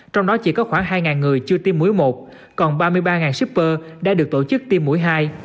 trong đó chỉ có khoảng hai người chưa tiêm mũi một còn ba mươi ba shipper đã được tổ chức tiêm mũi hai